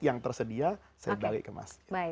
yang tersedia saya balik ke masjid